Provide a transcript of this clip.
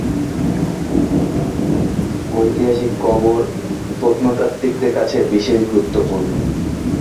ঐতিহাসিকভাবে কবর প্রত্নতাত্ত্বিকদের কাছে বিশেষ গুরুত্বপূর্ণ।